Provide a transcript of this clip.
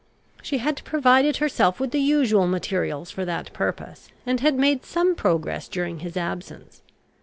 She had provided herself with the usual materials for that purpose, and had made some progress during his absence.